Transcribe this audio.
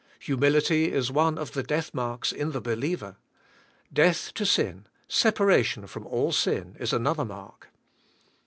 Humility is one of the death marks in the believer. Death to sin, separation from all sin, is another mark.